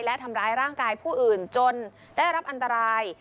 และทำร้ายร่างกายผู้อื่นจนได้รับอันตราย